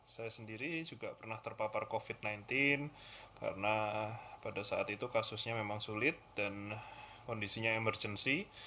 saya sendiri juga pernah terpapar covid sembilan belas karena pada saat itu kasusnya memang sulit dan kondisinya emergency